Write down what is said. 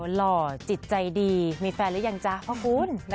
หล่อจิตใจดีมีแฟนหรือยังจ๊ะพ่อคุณ